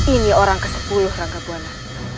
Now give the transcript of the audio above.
ini orang kesepuluh rangga buana